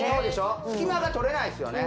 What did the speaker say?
隙間がとれないですよね